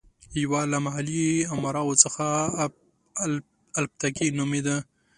یو له محلي امراوو څخه الپتکین نومېده.